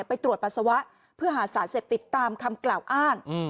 ไปตรวจปัสสาวะเพื่อหาสารเสพติดตามคำกล่าวอ้าง